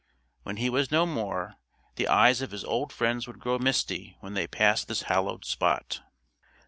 When he was no more, the eyes of his old friends would grow misty when they passed this hallowed spot.